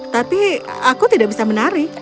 tapi aku tidak bisa menari